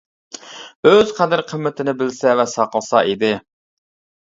ئۆز قەدىر-قىممىتىنى بىلسە ۋە ساقلىسا ئىدى.